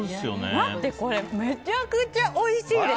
待ってこれめちゃくちゃおいしいです。